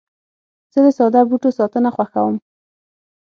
زه د ساده بوټو ساتنه خوښوم.